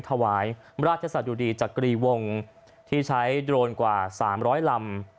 ถวายราชสะดุดีจักรีวงที่ใช้โดรนกว่า๓๐๐ลำ